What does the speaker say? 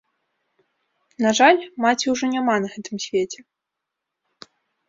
На жаль, маці ўжо няма на гэтым свеце.